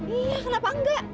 iya kenapa enggak